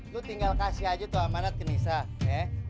gue tinggal kasih aja tuh amanat ke nisha